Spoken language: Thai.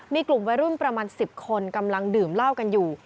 มีกลุ่มวัยรุ่นประมาณ๑๐คนกำลังดื่มเหล้ากันอยู่